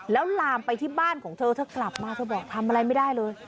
แล้วลามไปที่บ้านของเธอเธอกลับมาเธอบอกทำอะไรไม่ได้เลย